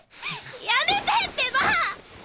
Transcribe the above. やめてってば！